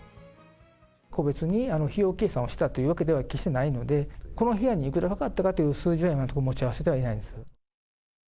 個別に費用計算をしたというわけでは決してないので、この部屋にいくらかかったかという数字は持ち合わせてはいないです。